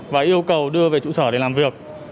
và yêu cầu đưa về trụ sở để làm việc